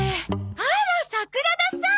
あら桜田さん！